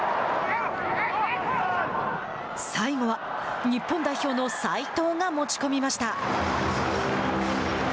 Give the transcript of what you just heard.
最後は日本代表の齋藤が持ち込みました。